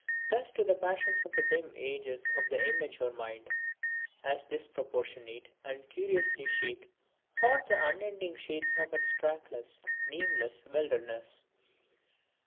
Thus do the passions of the dim ages of the immature mind, as disproportionate and curiously shaped, haunt the unending shades of its trackless, nameless wildernesses.